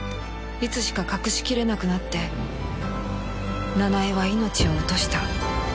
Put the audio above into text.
いつしか隠しきれなくなって奈々江は命を落とした